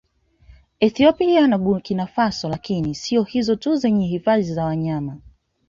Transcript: Ethiopia na Burkinafaso lakini siyo hizo tu zenye hifadhi za wanyama